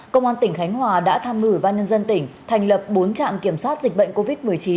công an tỉnh khánh hòa đã tham mưu ủy ban nhân dân tỉnh thành lập bốn trạm kiểm soát dịch bệnh covid một mươi chín